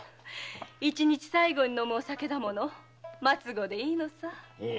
一日の最後に飲むお酒だもの末期でいいのさ。